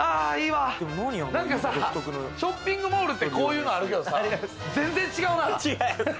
なんかさ、ショッピングモールって、こういうのあるけれどさ、全然違うな。